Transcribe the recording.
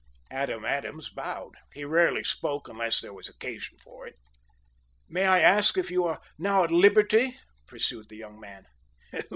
Adam Adams bowed. He rarely spoke unless there was occasion for it. "May I ask if you are now at liberty?" pursued the young man.